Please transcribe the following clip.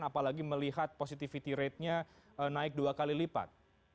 apalagi melihat positivity ratenya naik dua kali lipat